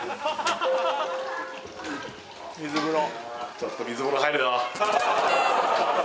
ちょっと水風呂入るよ